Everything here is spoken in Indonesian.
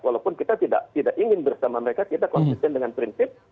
walaupun kita tidak ingin bersama mereka kita konsisten dengan prinsip